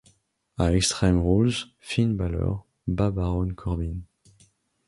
Á Extreme Rules, Finn Bálor bat Baron Corbin.